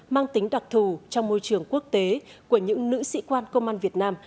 mang tính đặc thù trong môi trường quốc tế của những nữ sĩ quan công an việt nam